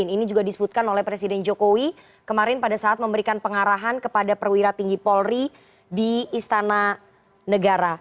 ini juga disebutkan oleh presiden jokowi kemarin pada saat memberikan pengarahan kepada perwira tinggi polri di istana negara